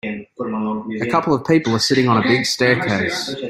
A couple of people are sitting on a big staircase.